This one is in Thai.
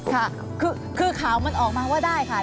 ค่ะคือข่าวมันออกมาว่าได้ค่ะ